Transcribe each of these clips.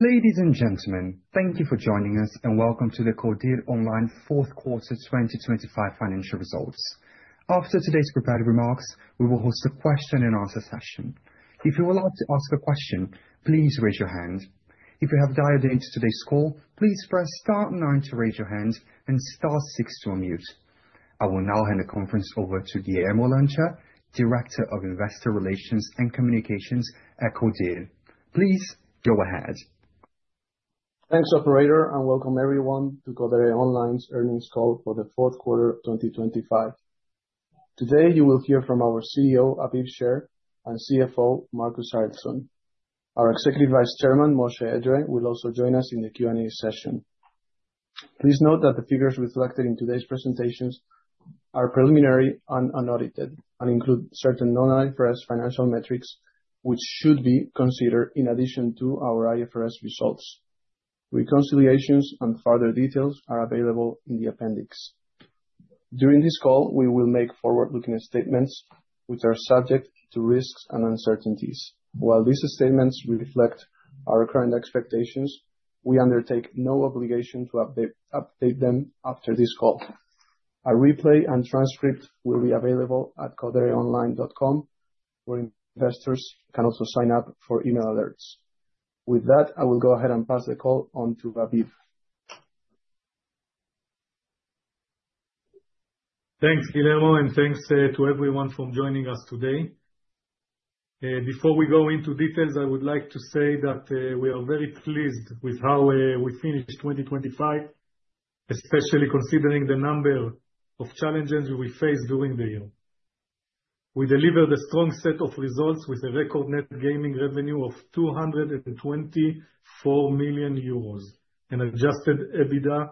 Ladies and gentlemen, thank you for joining us, and welcome to the Codere Online fourth quarter 2025 financial results. After today's prepared remarks, we will host a question and answer session. If you would like to ask a question, please raise your hand. If you have dialed into today's call, please press star nine to raise your hand and star six to unmute. I will now hand the conference over to Guillermo Lancha, Director of Investor Relations and Communications at Codere. Please go ahead. Thanks, operator, and welcome everyone to Codere Online's earnings call for the fourth quarter of 2025. Today, you will hear from our CEO, Aviv Sher, and CFO, Marcus Arildsson. Our Executive Vice Chairman, Moshe Edree, will also join us in the Q&A session. Please note that the figures reflected in today's presentations are preliminary and unaudited, and include certain non-IFRS financial metrics, which should be considered in addition to our IFRS results. Reconciliations and further details are available in the appendix. During this call, we will make forward-looking statements which are subject to risks and uncertainties. While these statements reflect our current expectations, we undertake no obligation to update them after this call. A replay and transcript will be available at codereonline.com, where investors can also sign up for email alerts. With that, I will go ahead and pass the call on to Aviv. Thanks, Guillermo, thanks to everyone for joining us today. Before we go into details, I would like to say that we are very pleased with how we finished 2025, especially considering the number of challenges we faced during the year. We delivered a strong set of results with a record Net Gaming Revenue of 224 million euros and Adjusted EBITDA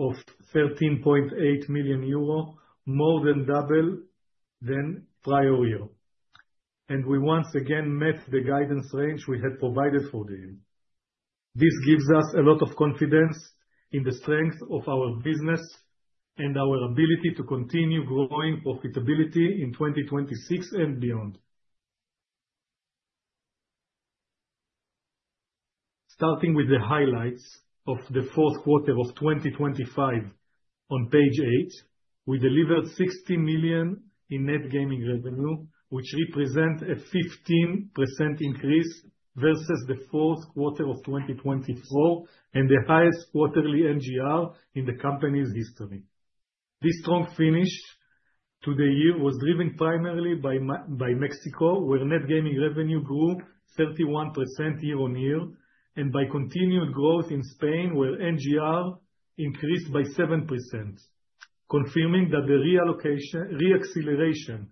of 13.8 million euros, more than double than prior year. We once again met the guidance range we had provided for the year. This gives us a lot of confidence in the strength of our business and our ability to continue growing profitability in 2026 and beyond. Starting with the highlights of the fourth quarter of 2025, on page eight, we delivered 60 million in Net Gaming Revenue, which represent a 15% increase versus the fourth quarter of 2024, and the highest quarterly NGR in the company's history. This strong finish to the year was driven primarily by Mexico, where Net Gaming Revenue grew 31% year-on-year, and by continued growth in Spain, where NGR increased by 7%, confirming that the re-acceleration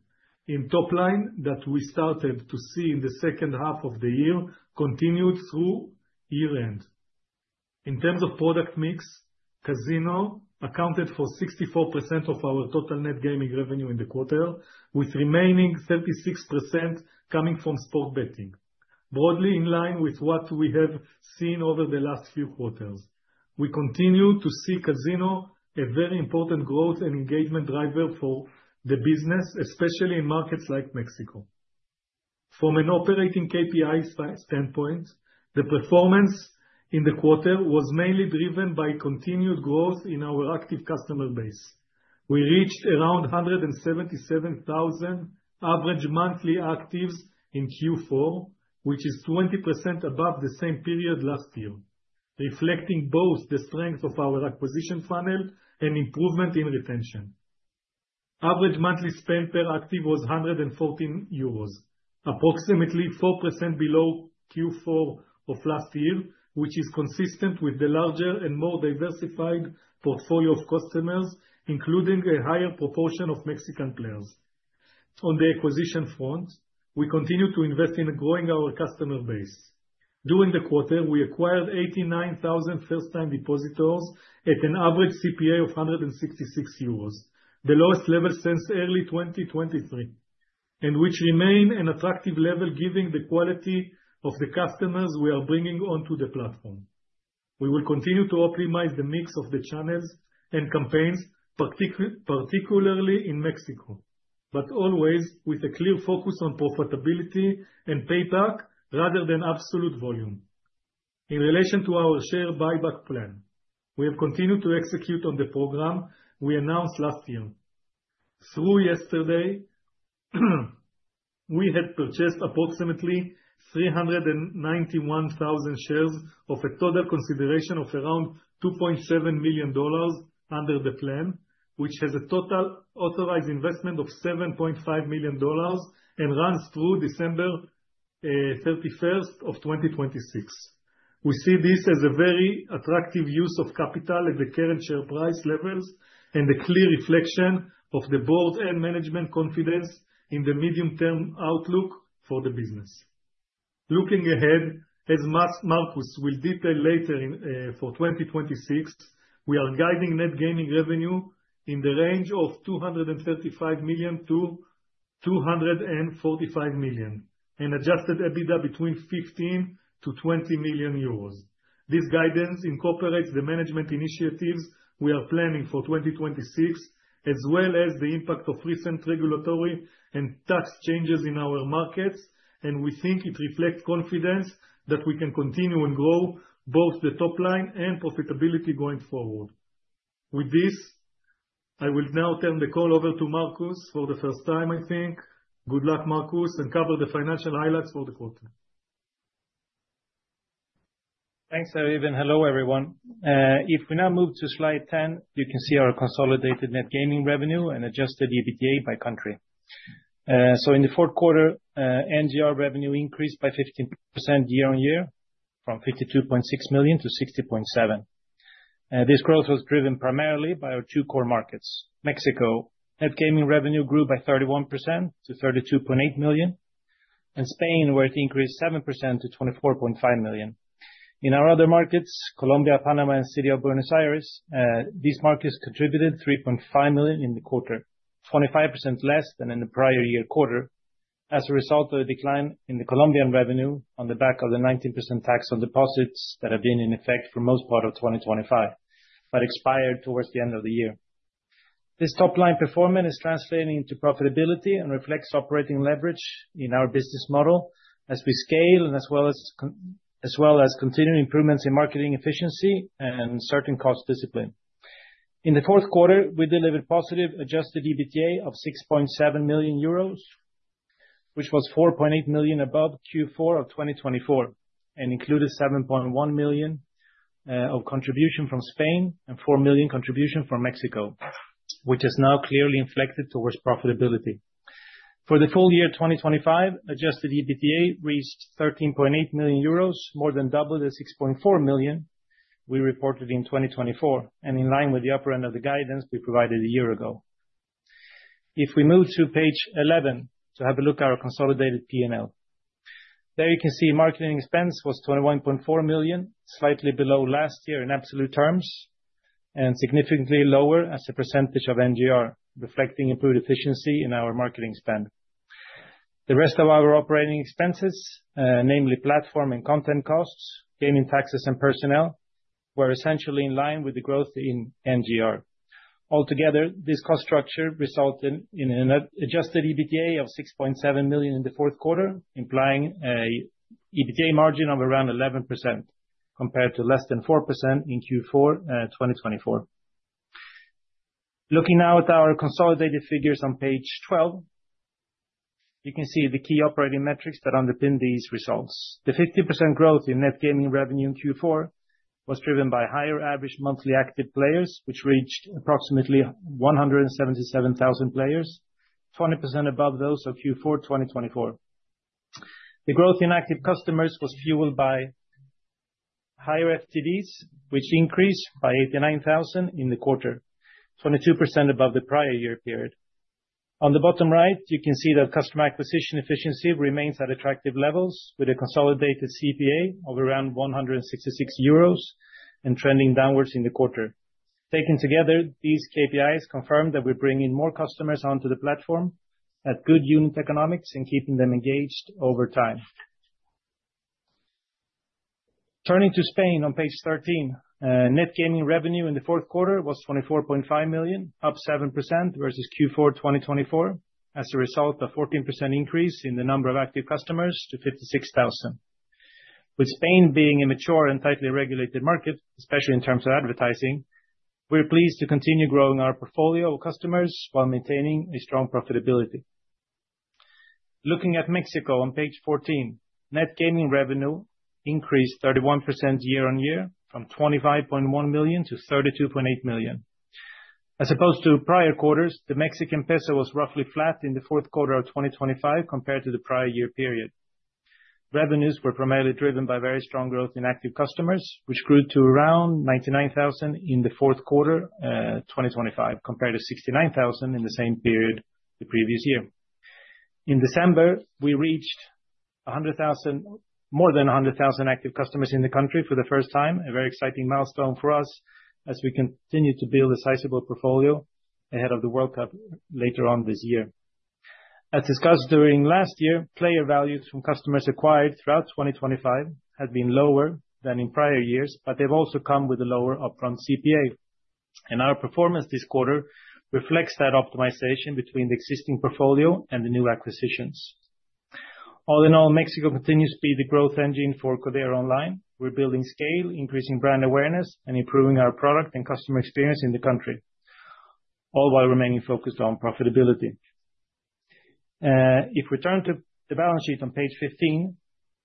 in top line that we started to see in the second half of the year continued through year-end. In terms of product mix, casino accounted for 64% of our total Net Gaming Revenue in the quarter, with remaining 36% coming from sport betting, broadly in line with what we have seen over the last few quarters. We continue to see casino a very important growth and engagement driver for the business, especially in markets like Mexico. From an operating KPI standpoint, the performance in the quarter was mainly driven by continued growth in our active customer base. We reached around 177,000 average monthly actives in Q4, which is 20% above the same period last year, reflecting both the strength of our acquisition funnel and improvement in retention. Average monthly spend per active was 114 euros, approximately 4% below Q4 of last year, which is consistent with the larger and more diversified portfolio of customers, including a higher proportion of Mexican players. On the acquisition front, we continue to invest in growing our customer base. During the quarter, we acquired 89,000 first-time depositors at an average CPA of 166 euros, the lowest level since early 2023, which remain an attractive level, given the quality of the customers we are bringing onto the platform. We will continue to optimize the mix of the channels and campaigns, particularly in Mexico, always with a clear focus on profitability and payback rather than absolute volume. In relation to our share buyback plan, we have continued to execute on the program we announced last year. Through yesterday, we had purchased approximately 391,000 shares of a total consideration of around $2.7 million, under the plan, which has a total authorized investment of $7.5 million and runs through December 31st of 2026. We see this as a very attractive use of capital at the current share price levels, and a clear reflection of the board and management confidence in the medium-term outlook for the business. Looking ahead, as Marcus will detail later in, for 2026, we are guiding Net Gaming Revenue in the range of 235 million to 245 million, and Adjusted EBITDA between 15 million-20 million euros. This guidance incorporates the management initiatives we are planning for 2026, as well as the impact of recent regulatory and tax changes in our markets. We think it reflects confidence that we can continue and grow both the top line and profitability going forward. I will now turn the call over to Marcus for the first time, I think. Good luck, Marcus, and cover the financial highlights for the quarter. Thanks, Aviv. Hello, everyone. If we now move to slide 10, you can see our consolidated Net Gaming Revenue and Adjusted EBITDA by country. In the fourth quarter, NGR revenue increased by 15% year-over-year, from 52.6 million to 60.7 million. This growth was driven primarily by our two core markets. Mexico, Net Gaming Revenue grew by 31% to 32.8 million, and Spain, where it increased 7% to 24.5 million. In our other markets, Colombia, Panama, and City of Buenos Aires, these markets contributed 3.5 million in the quarter, 25% less than in the prior year quarter, as a result of a decline in the Colombian revenue on the back of the 19% tax on deposits that have been in effect for most part of 2025, but expired towards the end of the year. This top-line performance is translating into profitability and reflects operating leverage in our business model as we scale, as well as continuing improvements in marketing efficiency and certain cost discipline. In the fourth quarter, we delivered positive Adjusted EBITDA of 6.7 million euros, which was 4.8 million above Q4 of 2024, and included 7.1 million of contribution from Spain, and 4 million contribution from Mexico, which is now clearly inflected towards profitability. For the full year 2025, Adjusted EBITDA reached 13.8 million euros, more than double the 6.4 million we reported in 2024, and in line with the upper end of the guidance we provided a year ago. If we move to page 11, to have a look at our consolidated P&L. There you can see marketing expense was 21.4 million, slightly below last year in absolute terms, and significantly lower as a percentage of NGR, reflecting improved efficiency in our marketing spend. The rest of our operating expenses, namely platform and content costs, gaming taxes and personnel, were essentially in line with the growth in NGR. Altogether, this cost structure resulted in a net Adjusted EBITDA of 6.7 million in the fourth quarter, implying a EBITDA margin of around 11%, compared to less than 4% in Q4 2024. Looking now at our consolidated figures on page 12, you can see the key operating metrics that underpin these results. The 50% growth in Net Gaming Revenue in Q4 was driven by higher average monthly active players, which reached approximately 177,000 players, 20% above those of Q4 2024. The growth in active customers was fueled by higher FTDs, which increased by 89,000 in the quarter, 22% above the prior year period. On the bottom right, you can see that customer acquisition efficiency remains at attractive levels, with a consolidated CPA of around 166 euros, and trending downwards in the quarter. Taken together, these KPIs confirm that we're bringing more customers onto the platform at good unit economics and keeping them engaged over time. Turning to Spain on page 13, Net Gaming Revenue in the fourth quarter was 24.5 million, up 7% versus Q4 2024, as a result of 14% increase in the number of active customers to 56,000. With Spain being a mature and tightly regulated market, especially in terms of advertising, we're pleased to continue growing our portfolio of customers while maintaining a strong profitability. Looking at Mexico on page 14, Net Gaming Revenue increased 31% year-on-year, from 25.1 million to 32.8 million. As opposed to prior quarters, the Mexican peso was roughly flat in the fourth quarter of 2025 compared to the prior year period. Revenues were primarily driven by very strong growth in active customers, which grew to around 99,000 in the fourth quarter, 2025, compared to 69,000 in the same period the previous year. In December, we reached more than 100,000 active customers in the country for the first time, a very exciting milestone for us as we continue to build a sizable portfolio ahead of the World Cup later on this year. As discussed during last year, player values from customers acquired throughout 2025 had been lower than in prior years, they've also come with a lower upfront CPA. Our performance this quarter reflects that optimization between the existing portfolio and the new acquisitions. All in all, Mexico continues to be the growth engine for Codere Online. We're building scale, increasing brand awareness, and improving our product and customer experience in the country, all while remaining focused on profitability. If we turn to the balance sheet on page 15,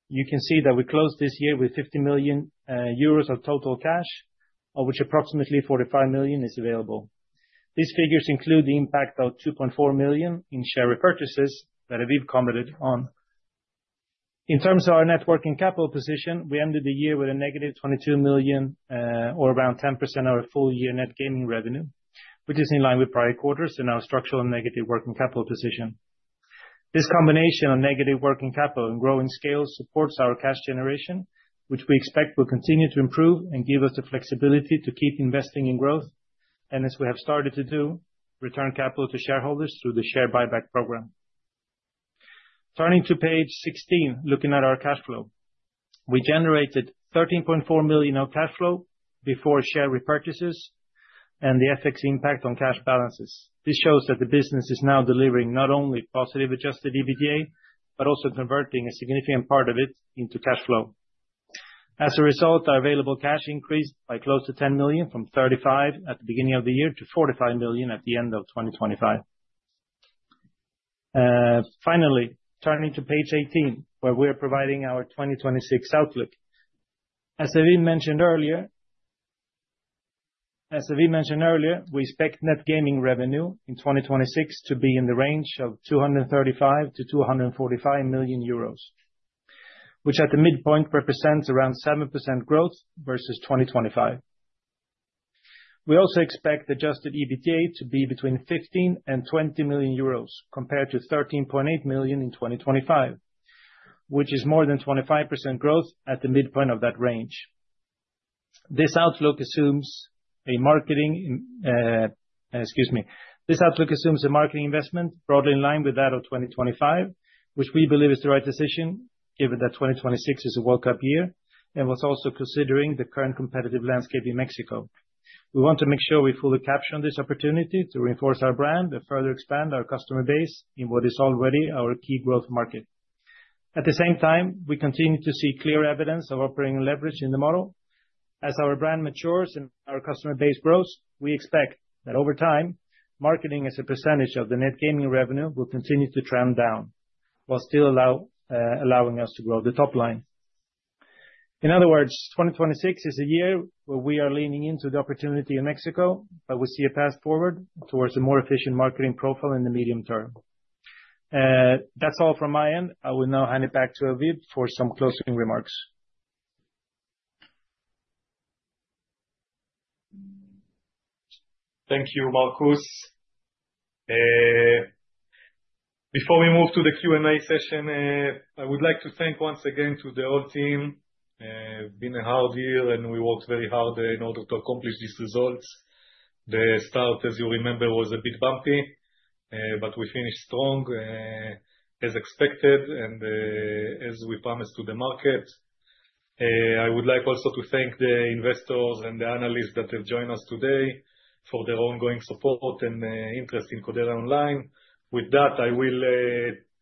you can see that we closed this year with 50 million euros of total cash, of which approximately 45 million is available. These figures include the impact of 2.4 million in share repurchases that Aviv commented on. In terms of our net working capital position, we ended the year with a negative 22 million, or around 10% of our full-year Net Gaming Revenue, which is in line with prior quarters in our structural and negative working capital position. This combination of negative working capital and growing scale supports our cash generation, which we expect will continue to improve and give us the flexibility to keep investing in growth, and as we have started to do, return capital to shareholders through the share buyback program. Turning to page 16, looking at our cash flow. We generated 13.4 million of cash flow before share repurchases and the FX impact on cash balances. This shows that the business is now delivering not only positive Adjusted EBITDA, but also converting a significant part of it into cash flow. Our available cash increased by close to 10 million, from 35 million at the beginning of the year, to 45 million at the end of 2025. Turning to page 18, where we're providing our 2026 outlook. As Aviv mentioned earlier, we expect Net Gaming Revenue in 2026 to be in the range of 235 million-245 million euros, which at the midpoint represents around 7% growth versus 2025. We also expect Adjusted EBITDA to be between 15 million and 20 million euros, compared to 13.8 million in 2025, which is more than 25% growth at the midpoint of that range. This outlook assumes a marketing investment broadly in line with that of 2025, which we believe is the right decision, given that 2026 is a World Cup year, and was also considering the current competitive landscape in Mexico. We want to make sure we fully capture on this opportunity to reinforce our brand and further expand our customer base in what is already our key growth market. At the same time, we continue to see clear evidence of operating leverage in the model. As our brand matures and our customer base grows, we expect that over time, marketing as a percentage of the Net Gaming Revenue will continue to trend down, while still allowing us to grow the top line. In other words, 2026 is a year where we are leaning into the opportunity in Mexico, but we see a path forward towards a more efficient marketing profile in the medium term. That's all from my end. I will now hand it back to Aviv for some closing remarks. Thank you, Marcus. Before we move to the Q&A session, I would like to thank once again to the whole team. It's been a hard year, and we worked very hard in order to accomplish these results. The start, as you remember, was a bit bumpy, but we finished strong, as expected, and as we promised to the market. I would like also to thank the investors and the analysts that have joined us today, for their ongoing support and interest in Codere Online. With that, I will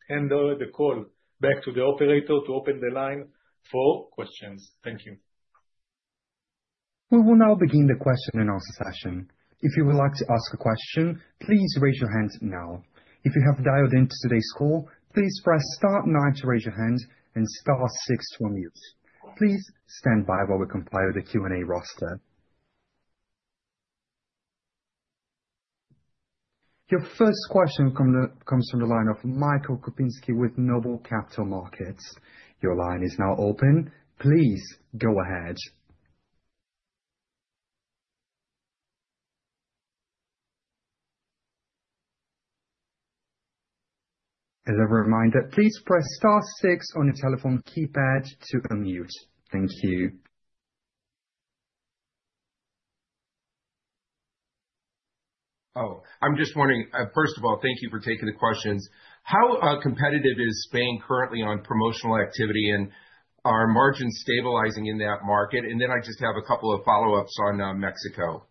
hand over the call back to the operator to open the line for questions. Thank you. We will now begin the question and answer session. If you would like to ask a question, please raise your hand now. If you have dialed into today's call, please press star nine to raise your hand and star six to unmute. Please stand by while we compile the Q&A roster. Your first question comes from the line of Michael Kupinski with Noble Capital Markets. Your line is now open. Please go ahead. As a reminder, please press star six on your telephone keypad to unmute. Thank you. I'm just wondering. First of all, thank you for taking the questions. How competitive is Spain currently on promotional activity, and are margins stabilizing in that market? Then I just have a couple of follow-ups on Mexico.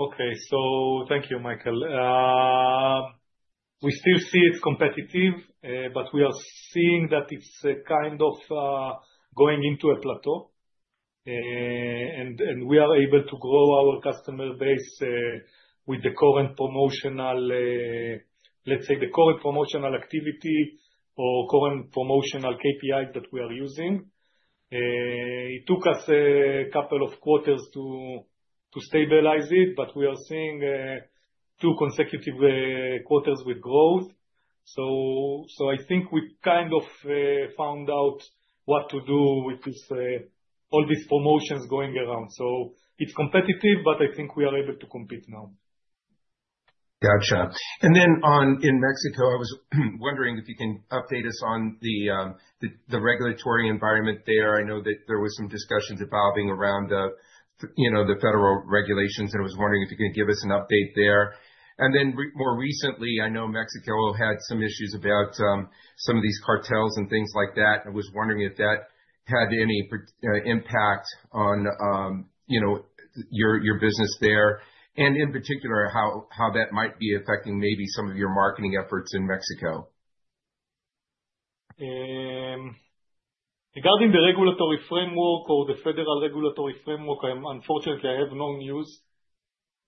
Okay. Thank you, Michael. We still see it's competitive, but we are seeing that it's kind of going into a plateau. We are able to grow our customer base with the current promotional, let's say the current promotional activity or current promotional KPI that we are using. It took us a couple of quarters to stabilize it, but we are seeing two consecutive quarters with growth. I think we kind of found out what to do with this all these promotions going around. It's competitive, but I think we are able to compete now. Gotcha. On, in Mexico, I was wondering if you can update us on the regulatory environment there. I know that there was some discussions evolving around, you know, the federal regulations, and I was wondering if you could give us an update there. More recently, I know Mexico had some issues about some of these cartels and things like that. I was wondering if that had any impact on, you know, your business there, and in particular, how that might be affecting maybe some of your marketing efforts in Mexico. Regarding the regulatory framework or the federal regulatory framework, unfortunately, I have no news.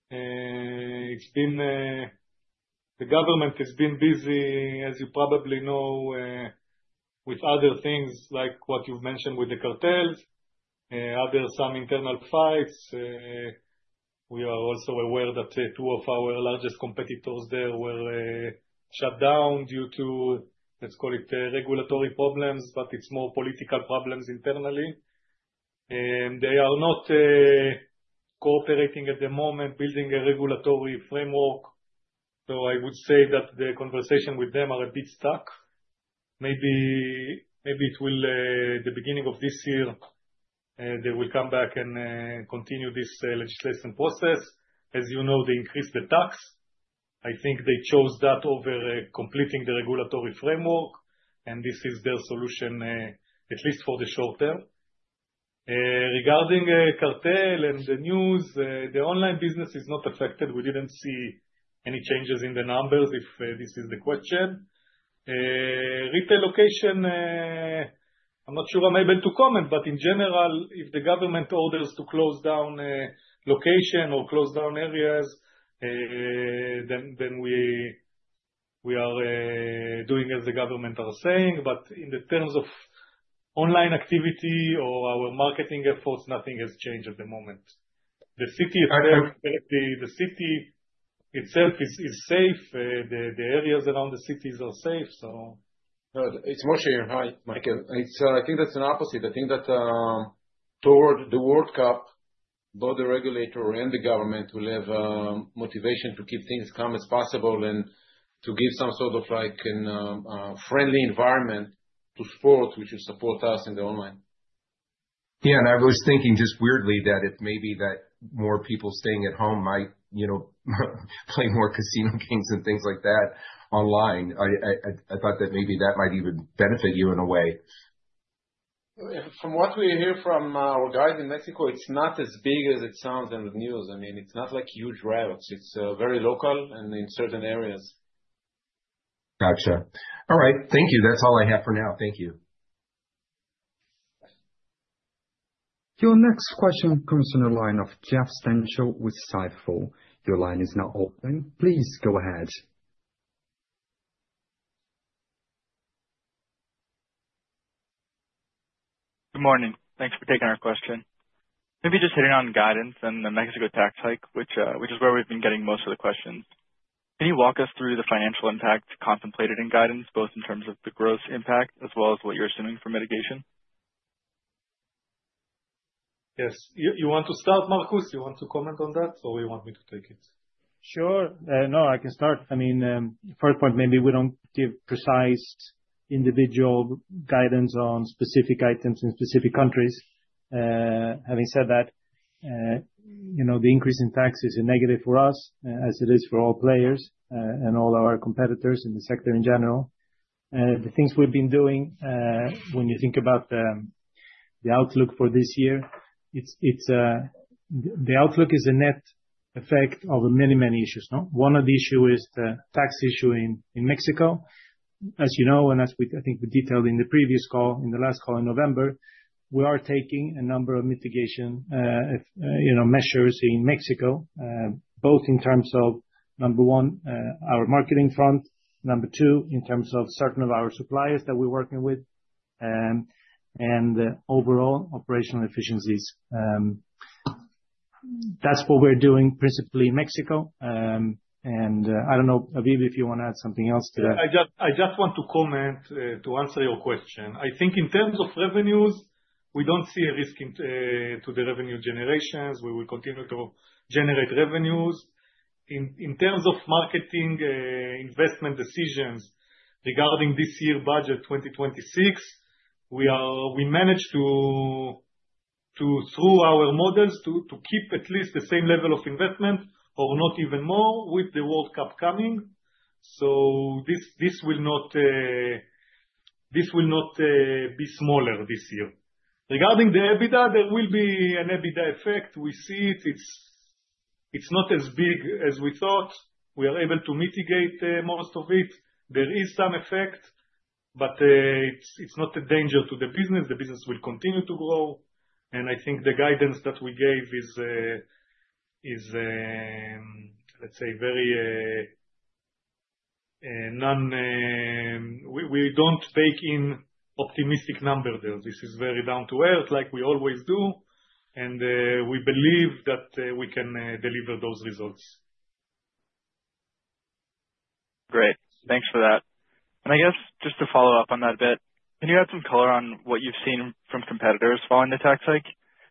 It's been The government has been busy, as you probably know, with other things, like what you've mentioned with the cartels, other some internal fights. We are also aware that two of our largest competitors there were shut down due to, let's call it, regulatory problems, but it's more political problems internally. They are not cooperating at the moment, building a regulatory framework, so I would say that the conversation with them are a bit stuck. Maybe it will the beginning of this year, they will come back and continue this legislation process. As you know, they increased the tax. I think they chose that over completing the regulatory framework, and this is their solution, at least for the short term. Regarding cartel and the news, the online business is not affected. We didn't see any changes in the numbers, if this is the question. Retail location, I'm not sure I'm able to comment, but in general, if the government orders to close down location or close down areas, then we are doing as the government are saying. In the terms of online activity or our marketing efforts, nothing has changed at the moment. The city itself is safe. The areas around the cities are safe. It's Moshe, hi, Michael. It's, I think that's an opposite. I think that, toward the World Cup, both the regulator and the government will have motivation to keep things calm as possible, and to give some sort of, like, an friendly environment to sports, which will support us in the online. Yeah, I was thinking just weirdly that it may be that more people staying at home might, you know, play more casino games and things like that online. I thought that maybe that might even benefit you in a way. From what we hear from our guys in Mexico, it's not as big as it sounds in the news. I mean, it's not like huge riots. It's very local and in certain areas. Gotcha. All right, thank you. That's all I have for now. Thank you. Your next question comes from the line of Jeffrey Stantial with Stifel. Your line is now open. Please go ahead. Good morning. Thanks for taking our question. Maybe just hitting on guidance and the Mexico tax hike, which is where we've been getting most of the questions. Can you walk us through the financial impact contemplated in guidance, both in terms of the gross impact, as well as what you're assuming for mitigation? Yes. You want to start, Marcus? You want to comment on that, or you want me to take it? Sure. No, I can start. I mean, first point, maybe we don't give precise individual guidance on specific items in specific countries. Having said that, you know, the increase in tax is a negative for us, as it is for all players, and all our competitors in the sector in general. The things we've been doing, when you think about, the outlook for this year. The outlook is a net effect of many, many issues, no? One of the issues is the tax issue in Mexico. As you know, as we, I think we detailed in the previous call, in the last call in November, we are taking a number of mitigation, you know, measures in Mexico, both in terms of, number one, our marketing front, number two, in terms of certain of our suppliers that we're working with, overall operational efficiencies. That's what we're doing principally in Mexico. I don't know, Aviv, if you wanna add something else to that? I just want to comment, to answer your question. I think in terms of revenues, we don't see a risk in to the revenue generations. We will continue to generate revenues. In terms of marketing investment decisions regarding this year's budget, 2026, we managed to, through our models, to keep at least the same level of investment, or not even more, with the World Cup coming. This will not be smaller this year. Regarding the EBITDA, there will be an EBITDA effect. We see it. It's not as big as we thought. We are able to mitigate most of it. There is some effect, but it's not a danger to the business. The business will continue to grow. I think the guidance that we gave is, let's say very non. We don't take in optimistic number there. This is very down to earth, like we always do. We believe that we can deliver those results. Great. Thanks for that. I guess just to follow up on that a bit, can you add some color on what you've seen from competitors following the tax hike?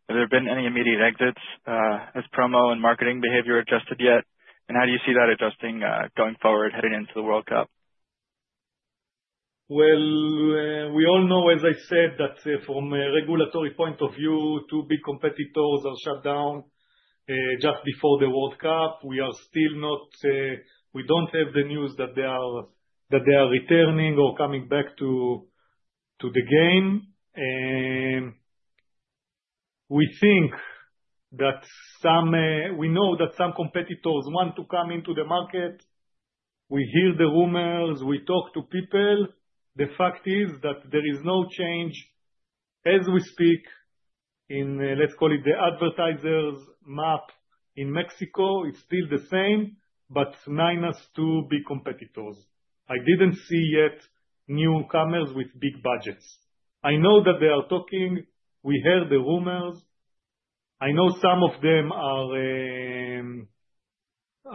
Have there been any immediate exits, has promo and marketing behavior adjusted yet? How do you see that adjusting, going forward, heading into the World Cup? Well, we all know, as I said, that from a regulatory point of view, two big competitors are shut down just before the World Cup. We are still not, we don't have the news that they are returning or coming back to the game. We think that some, we know that some competitors want to come into the market. We hear the rumors, we talk to people. The fact is that there is no change as we speak in, let's call it the advertisers map in Mexico, it's still the same, but minus 2 big competitors. I didn't see yet newcomers with big budgets. I know that they are talking. We heard the rumors. I know some of them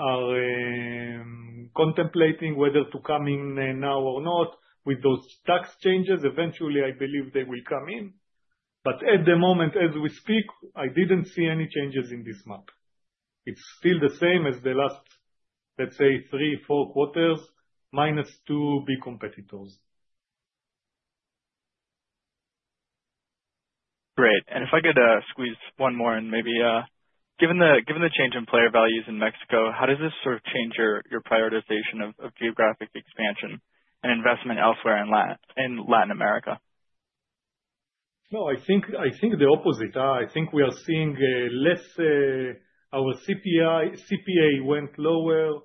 are contemplating whether to come in now or not. With those tax changes, eventually I believe they will come in, but at the moment, as we speak, I didn't see any changes in this map. It's still the same as the last, let's say, three, four quarters, minus two big competitors. Great. If I could squeeze one more in maybe. Given the change in player values in Mexico, how does this sort of change your prioritization of geographic expansion and investment elsewhere in Latin America? I think the opposite. I think we are seeing less. Our CPA went lower.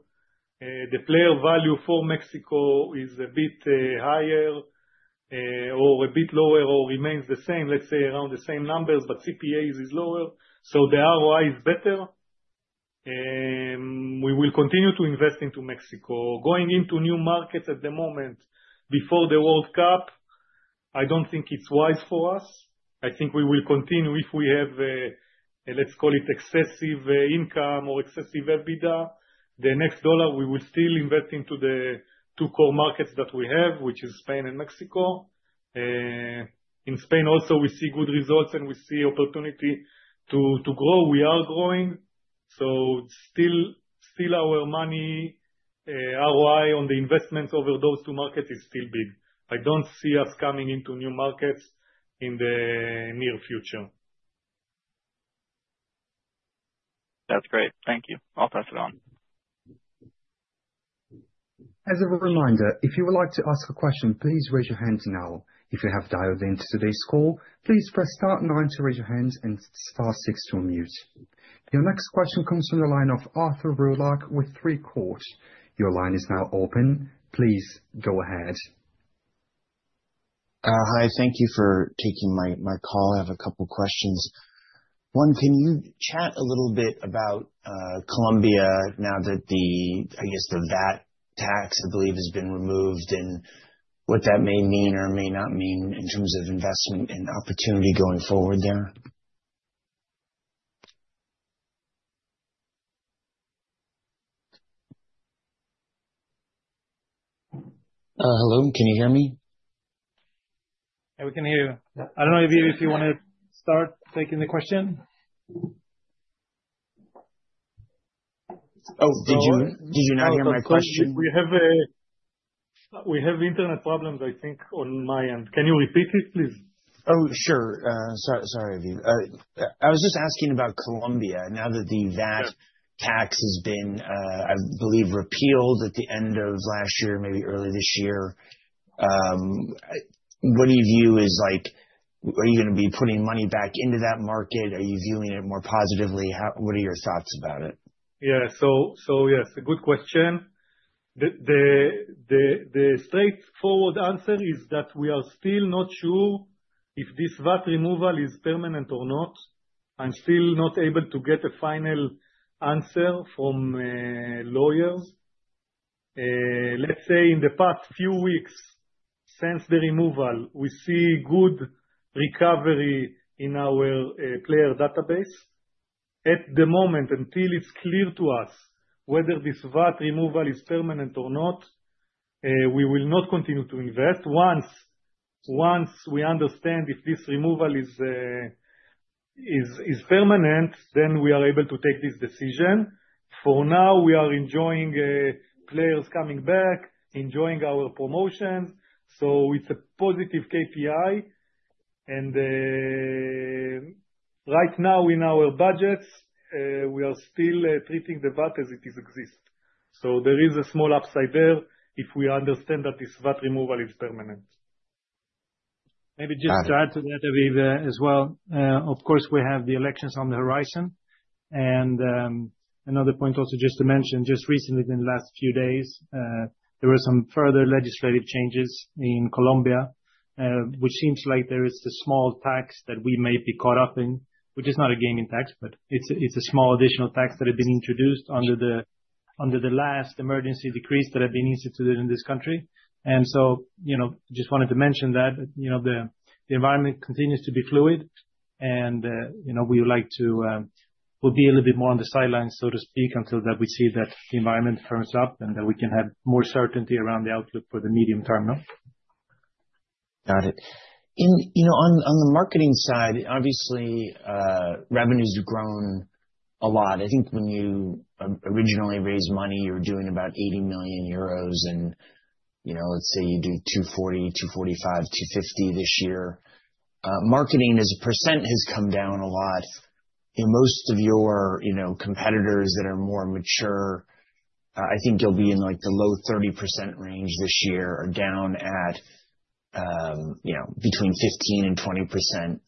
The player value for Mexico is a bit higher, or a bit lower, or remains the same, let's say around the same numbers. CPAs is lower, so the ROI is better. We will continue to invest into Mexico. Going into new markets at the moment, before the World Cup, I don't think it's wise for us. I think we will continue if we have, let's call it excessive income or excessive EBITDA, the next dollar we will still invest into the two core markets that we have, which is Spain and Mexico. In Spain also, we see good results. We see opportunity to grow. We are growing, so still our money ROI on the investments over those two markets is still big. I don't see us coming into new markets in the near future. That's great. Thank you. I'll pass it on. As a reminder, if you would like to ask a question, please raise your hand now. If you have dialed into today's call, please press star nine to raise your hand and star six to unmute. Your next question comes from the line of Arthur Roulac, with Three Court. Your line is now open. Please go ahead. Hi, thank you for taking my call. I have a couple questions. One, can you chat a little bit about Colombia now that the, I guess, the VAT tax, I believe, has been removed, and what that may mean or may not mean in terms of investment and opportunity going forward there? Hello, can you hear me? Yeah, we can hear you. I don't know if you wanna start taking the question. Oh, did you not hear my question? We have internet problems, I think, on my end. Can you repeat it, please? Oh, sure. Sorry, Aviv. I was just asking about Colombia, now that the VAT tax has been, I believe repealed at the end of last year, maybe early this year. What do you view as, like. Are you gonna be putting money back into that market? Are you viewing it more positively? How, what are your thoughts about it? Yes, good question. The straightforward answer is that we are still not sure if this VAT removal is permanent or not. I'm still not able to get a final answer from lawyers. Let's say in the past few weeks, since the removal, we see good recovery in our player database. At the moment, until it's clear to us whether this VAT removal is permanent or not, we will not continue to invest. Once we understand if this removal is permanent, then we are able to take this decision. For now, we are enjoying players coming back, enjoying our promotion, so it's a positive KPI. Right now in our budgets, we are still treating the VAT as it is exist. There is a small upside there, if we understand that this VAT removal is permanent. Maybe just to add to that, Aviv, as well. Of course, we have the elections on the horizon. Another point also just to mention, just recently, within the last few days, there were some further legislative changes in Colombia, which seems like there is a small tax that we may be caught up in, which is not a gaming tax, but it's a small additional tax that has been introduced under the last emergency decrees that have been instituted in this country. You know, just wanted to mention that. You know, the environment continues to be fluid, and you know, we would like to, we'll be a little bit more on the sidelines, so to speak, until that we see that the environment firms up, and that we can have more certainty around the outlook for the medium term, no? Got it. In, you know, on the marketing side, obviously, revenues have grown a lot. I think when you originally raised money, you were doing about 80 million euros, and, you know, let's say you do 240, 245, 250 this year. Marketing as a percent has come down a lot. In most of your, you know, competitors that are more mature, I think you'll be in, like, the low 30% range this year, or down at, you know, between 15% and 20%.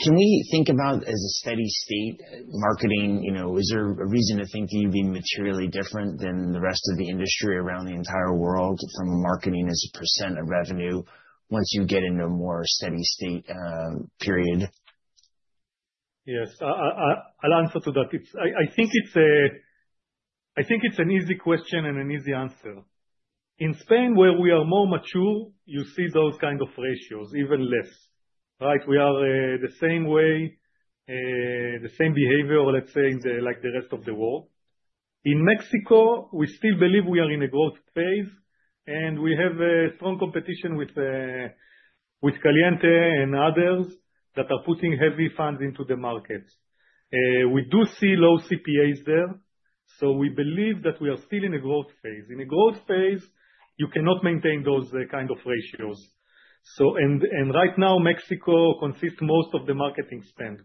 Can we think about, as a steady state, marketing, you know, is there a reason to think you'd be materially different than the rest of the industry around the entire world, from a marketing as a percent of revenue, once you get into a more steady state period? Yes. I'll answer to that. It's, I think it's an easy question, and an easy answer. In Spain, where we are more mature, you see those kind of ratios, even less, right? We are the same way, the same behavior, let's say, in the, like the rest of the world. In Mexico, we still believe we are in a growth phase, and we have strong competition with Caliente and others, that are putting heavy funds into the markets. We do see low CPAs there. We believe that we are still in a growth phase. In a growth phase, you cannot maintain those kind of ratios. Right now, Mexico consists most of the marketing spend.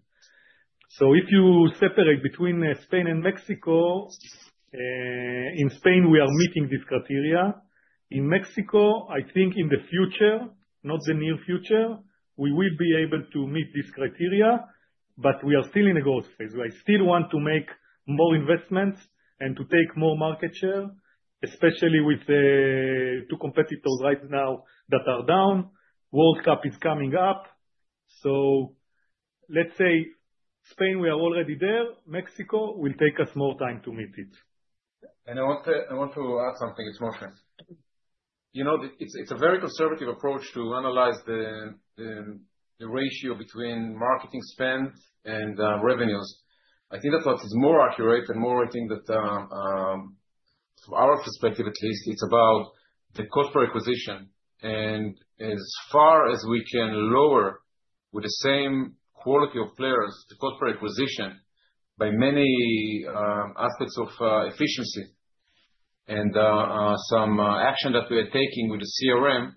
If you separate between Spain and Mexico, in Spain, we are meeting this criteria. In Mexico, I think in the future, not the near future, we will be able to meet this criteria, but we are still in a growth phase. We still want to make more investments and to take more market share, especially with the two competitors right now that are down, World Cup is coming up. Let's say, Spain, we are already there, Mexico will take us more time to meet it. I want to add something, it's Moshe Edree. You know, it's a very conservative approach to analyze the ratio between marketing spend and revenues. I think that what is more accurate and more, I think that, from our perspective at least, it's about the cost per acquisition, and as far as we can lower with the same quality of players, the cost per acquisition by many aspects of efficiency, and some action that we are taking with the CRM.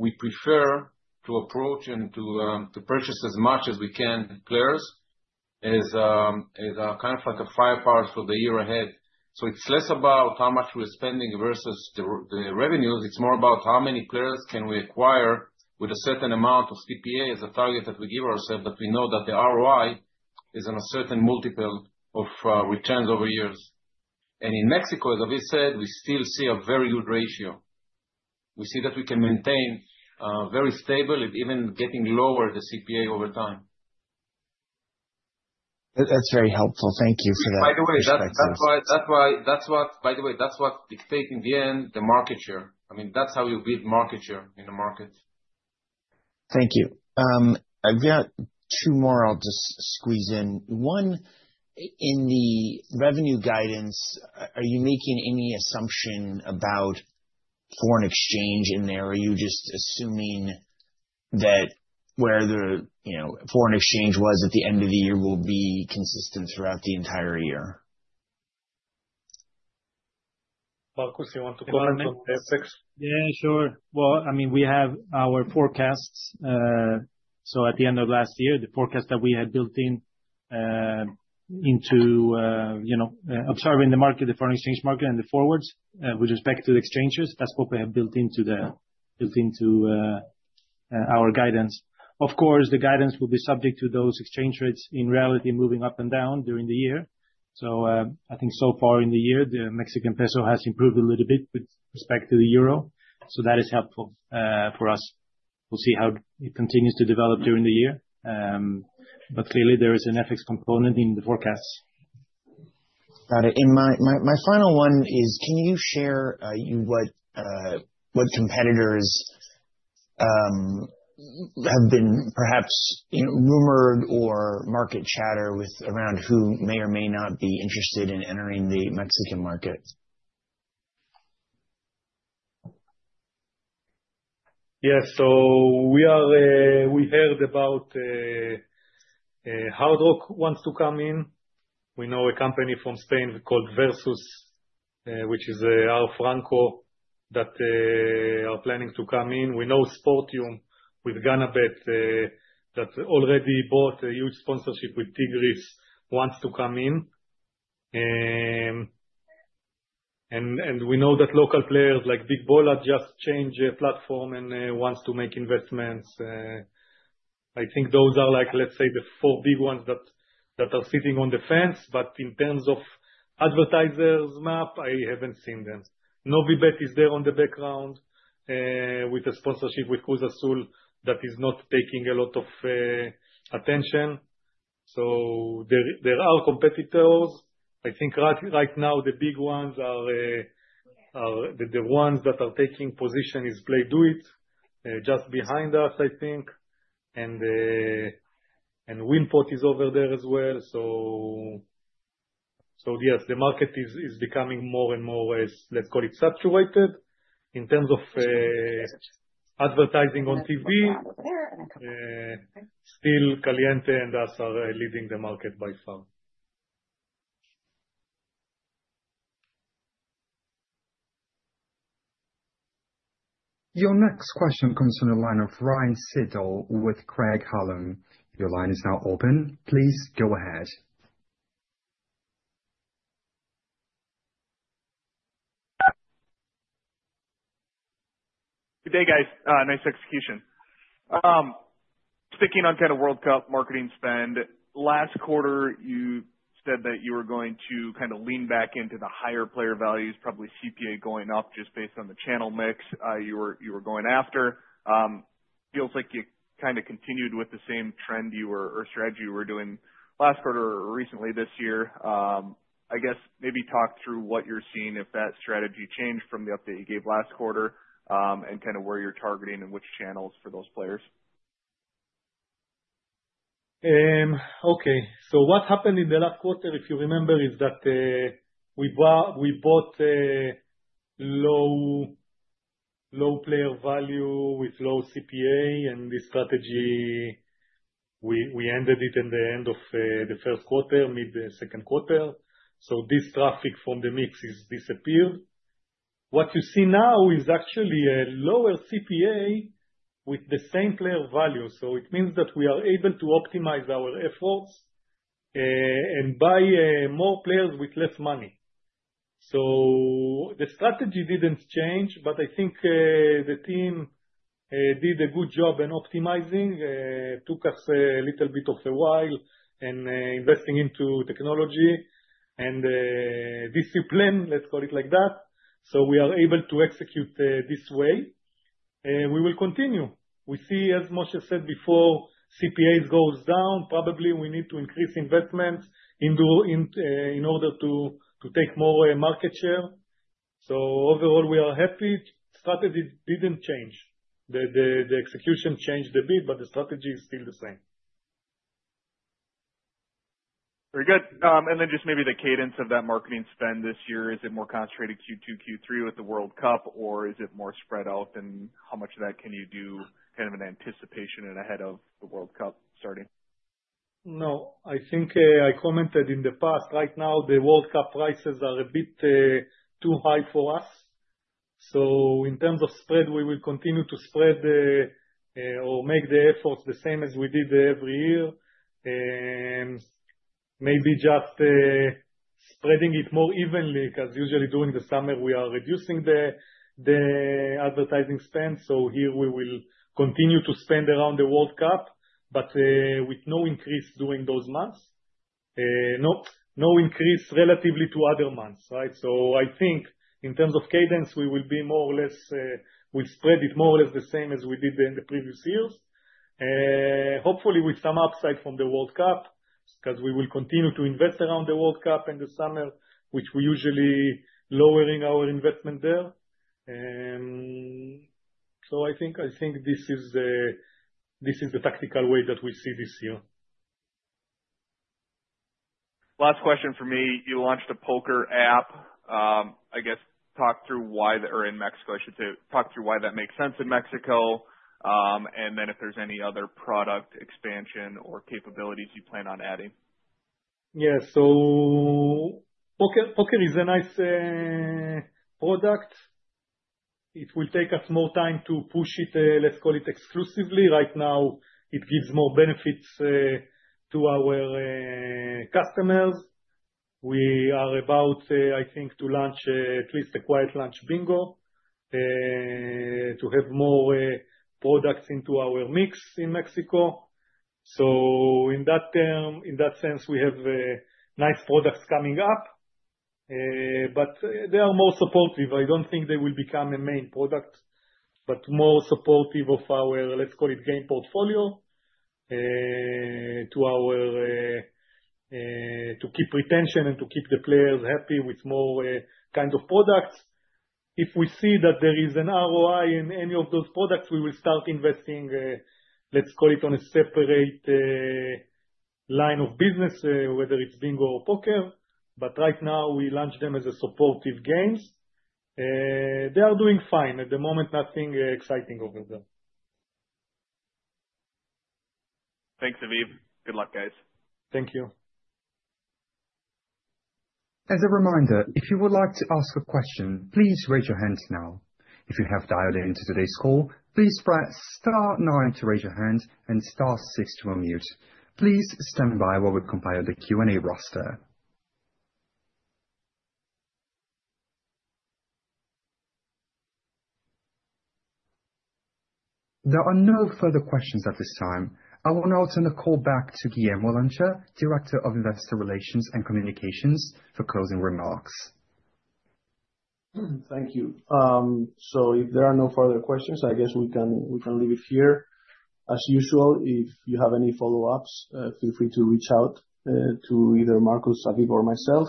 We prefer to approach and to purchase as much as we can, players, as kind of like a firepower for the year ahead. It's less about how much we're spending versus the revenues, it's more about how many players can we acquire with a certain amount of CPA, as a target that we give ourselves, that we know that the ROI is on a certain multiple of returns over years. In Mexico, as Aviv said, we still see a very good ratio. We see that we can maintain very stable and even getting lower the CPA over time. That's very helpful. Thank you for that perspective. By the way, that's what we take in the end, the market share. I mean, that's how you build market share in a market. Thank you. I've got two more I'll just squeeze in. One, in the revenue guidance, are you making any assumption about foreign exchange in there, or are you just assuming that where the, you know, foreign exchange was at the end of the year will be consistent throughout the entire year? Marcus, you want to comment on FX? Yeah, sure. Well, I mean, we have our forecasts, so at the end of last year, the forecast that we had built in into observing the market, the foreign exchange market and the forwards with respect to the exchanges, that's what we have built into our guidance. Of course, the guidance will be subject to those exchange rates in reality moving up and down during the year. I think so far in the year, the Mexican peso has improved a little bit with respect to the euro, so that is helpful for us. We'll see how it continues to develop during the year. Clearly there is an FX component in the forecast. Got it. My final one is, can you share what competitors have been perhaps, you know, rumored or market chatter with around who may or may not be interested in entering the Mexican market? Yeah. We are, we heard about Hard Rock wants to come in. We know a company from Spain called Versus, which is R. Franco, that are planning to come in. We know Sportium, with Ganabet, that already bought a huge sponsorship with Tigres, wants to come in. We know that local players like BigBola just changed their platform and wants to make investments. I think those are like, let's say, the four big ones that are sitting on the fence, but in terms of advertisers map, I haven't seen them. Novibet is there on the background, with a sponsorship with Cruz Azul, that is not taking a lot of attention. There are competitors. I think right now, the big ones are the ones that are taking position is Playdoit, just behind us, I think. Winpot is over there as well. Yes, the market is becoming more and more, as let's call it, saturated. In terms of advertising on TV, still Caliente and us are leading the market by far. Your next question comes from the line of Ryan Sigdahl with Craig-Hallum. Your line is now open, please go ahead. Good day, guys, nice execution. Sticking on kind of World Cup marketing spend, last quarter, you said that you were going to kind of lean back into the higher player values, probably CPA going up just based on the channel mix you were going after. Feels like you kind of continued with the same trend you were or strategy you were doing last quarter or recently this year. I guess, maybe talk through what you're seeing, if that strategy changed from the update you gave last quarter, and kind of where you're targeting and which channels for those players? Okay. What happened in the last quarter, if you remember, is that we bought a low player value with low CPA, and this strategy, we ended it in the end of the first quarter, mid the second quarter. This traffic from the mix is disappeared. What you see now is actually a lower CPA with the same player value, so it means that we are able to optimize our efforts and buy more players with less money. The strategy didn't change, but I think the team did a good job in optimizing. Took us a little bit of a while, and investing into technology, and discipline, let's call it like that, so we are able to execute this way. We will continue. We see, as Moshe said before, CPAs goes down, probably we need to increase investment in order to take more market share. Overall, we are happy. Strategy didn't change. The execution changed a bit, but the strategy is still the same. Very good. just maybe the cadence of that marketing spend this year, is it more concentrated Q2, Q3 with the World Cup, or is it more spread out? How much of that can you do, kind of, in anticipation and ahead of the World Cup starting? I think, I commented in the past, right now, the World Cup prices are a bit too high for us. In terms of spread, we will continue to spread or make the efforts the same as we did every year. Maybe just spreading it more evenly, 'cause usually during the summer we are reducing the advertising spend, so here we will continue to spend around the World Cup, but with no increase during those months. Not, no increase relatively to other months, right? I think in terms of cadence, we will be more or less, we spread it more or less the same as we did in the previous years. Hopefully with some upside from the World Cup, 'cause we will continue to invest around the World Cup in the summer, which we're usually lowering our investment there. I think this is the tactical way that we see this year. Last question from me. You launched a Poker app. In Mexico, I should say. Talk through why that makes sense in Mexico, and then if there's any other product expansion or capabilities you plan on adding? Poker is a nice product. It will take us more time to push it, let's call it exclusively. Right now, it gives more benefits to our customers. We are about, I think to launch, at least a quiet launch Bingo, to have more products into our mix in Mexico. In that term, in that sense, we have nice products coming up. But they are more supportive, I don't think they will become a main product, but more supportive of our, let's call it, game portfolio, to keep retention and to keep the players happy with more kinds of products. If we see that there is an ROI in any of those products, we will start investing, let's call it on a separate line of business, whether it's Bingo or Poker, right now we launched them as supportive games. They are doing fine. At the moment, nothing exciting over there. Thanks, Aviv. Good luck, guys. Thank you. As a reminder, if you would like to ask a question, please raise your hand now. If you have dialed in to today's call, please press star nine to raise your hand and star six to unmute. Please stand by while we compile the Q&A roster. There are no further questions at this time. I will now turn the call back to Guillermo Lancha, Director of Investor Relations and Communications, for closing remarks. Thank you. If there are no further questions, I guess we can leave it here. As usual, if you have any follow-ups, feel free to reach out to either Marcus, Aviv, or myself,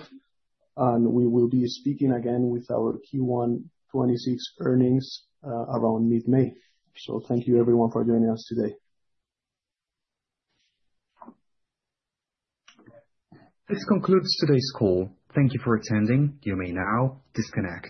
and we will be speaking again with our Q1 2026 earnings around mid-May. Thank you everyone for joining us today. This concludes today's call. Thank You for attending. You may now disconnect.